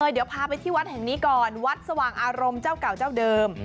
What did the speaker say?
เดี๋ยวพาไปที่วัดแห่งนี้ก่อนวัดสว่างอารมณ์เจ้าเก่าเจ้าเดิม